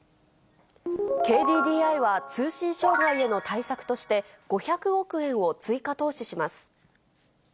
ＫＤＤＩは通信障害への対策として、５００億円を追加投資します。